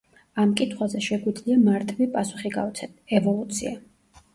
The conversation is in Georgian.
ამ კითხვაზე შეგვიძლია მარტივი პასუხი გავცეთ — ევოლუცია.